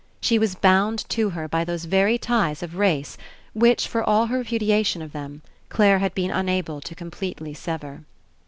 She was bound to her by those very ties of race, which, for all her repudiation of them, Clare had been unable to completely sever.